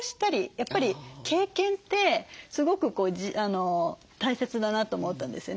やっぱり経験ってすごく大切だなと思ったんですよね。